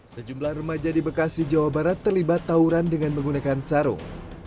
sejumlah remaja di bekasi jawa barat terlibat tawuran dengan menggunakan sarung